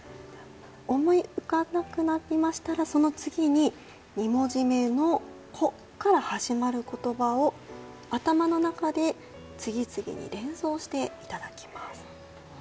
思い浮かばなくなりましたらその次に２文字目の「こ」から始まる言葉を頭の中で次々に連想していただきます。